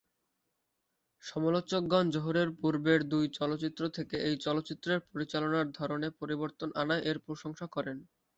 সমালোচকগণ জোহরের পূর্বের দুই চলচ্চিত্র থেকে এই চলচ্চিত্রের পরিচালনার ধরনে পরিবর্তন আনায় এর প্রশংসা করেন।